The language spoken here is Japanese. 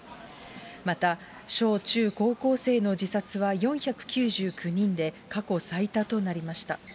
また小中高校生の自殺は４９９人で、過去最多となりました。